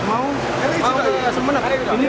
nah menurut saya kecepatan pak